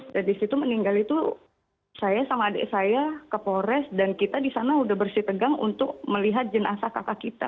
dan disitu meninggal itu saya sama adik saya ke polres dan kita disana udah bersih tegang untuk melihat jenazah kakak kita